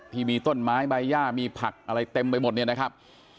ที่มีต้นไม้ใบย่ามีผักอะไรเต็มไปหมดเนี่ยนะครับ